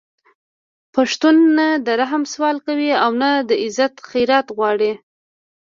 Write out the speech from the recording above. پښتون نه د رحم سوال کوي او نه د عزت خیرات غواړي